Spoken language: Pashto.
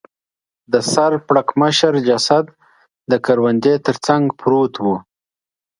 د سر پړکمشر جسد د کروندې تر څنګ پروت و.